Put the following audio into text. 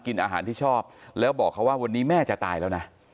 กินอาหารที่ชอบแล้วบอกเขาว่าวันนี้แม่จะตายแล้วนะ